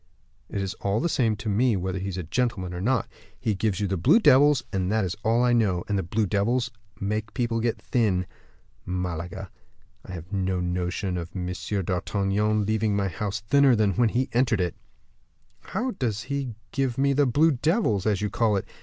"It's all the same to me whether he's a gentleman or not. He gives you the blue devils, that is all I know. And the blue devils make people get thin. Malaga! I have no notion of M. d'Artagnan leaving my house thinner than when he entered it." "How does he give me the blue devils, as you call it?